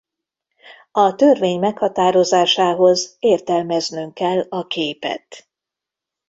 A törvény meghatározásához értelmeznünk kell a képet.